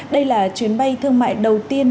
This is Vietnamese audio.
đây là chuyến bay thương mại đầu tiên